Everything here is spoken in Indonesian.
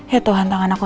ya tuhan tangan aku